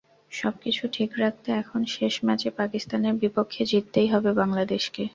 সবকিছু ঠিক রাখতে এখন শেষ ম্যাচে পাকিস্তানের বিপক্ষে জিততেই হবে বাংলাদেশকে।